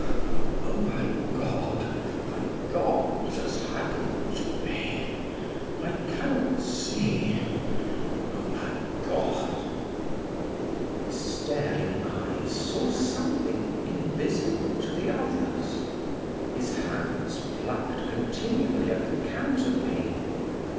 Oh, my God my God what has happened to me? I cannot see. Oh, my God!" His staring eyes saw something invisible to the others; his hands plucked continually at the counterpane.